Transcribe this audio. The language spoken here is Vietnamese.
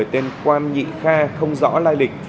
tên quan nhị kha không rõ lai lịch